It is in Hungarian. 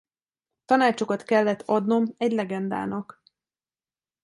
Tanácsokat kellett adnom egy legendának.